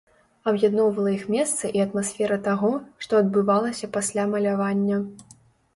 Аб'ядноўвала іх месца і атмасфера таго, што адбывалася пасля малявання.